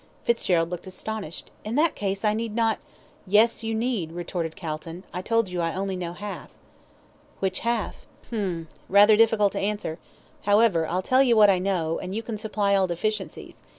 Fitzgerald looked astonished. "In that case, I need not " "Yes, you need," retorted Calton. "I told you I only know half." "Which half?" "Hum rather difficult to answer however, I'll tell you what I know, and you can supply all deficiencies.